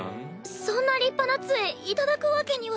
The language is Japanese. そんな立派な杖頂くわけには。